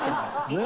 ねえ。